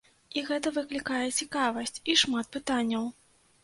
І гэта выклікае цікавасць і шмат пытанняў.